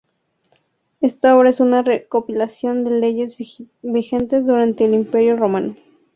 Esta obra es una recopilación de leyes vigentes durante el Imperio Romano.